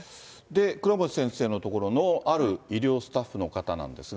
倉持先生の所のある医療スタッフの方なんですが。